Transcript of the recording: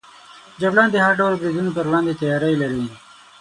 جګړن د هر ډول بریدونو پر وړاندې تیاری لري.